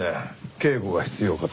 警護が必要かと。